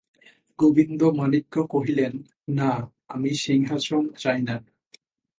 গোবিন্দমাণিক্য কহিলেন, না, আমি সিংহাসন চাই না।